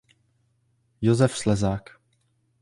Josef Slezák.